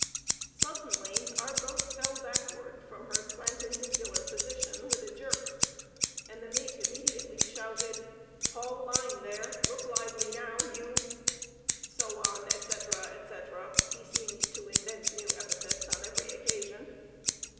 Suddenly our boat fell backward from her "slantin dicular" position with a jerk, and the mate immediately shouted, "Haul line, there! look lively, now! you"—so on, et cetera, et cetera (he seemed to invent new epithets on every occasion).